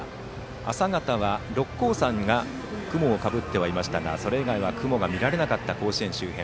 朝方は六甲山が雲をかぶっていましたがそれ以外は雲が見られなかった甲子園周辺。